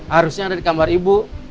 harusnya ada di kamar ibu